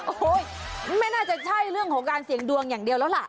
โอ้โหไม่น่าจะใช่เรื่องของการเสี่ยงดวงอย่างเดียวแล้วล่ะ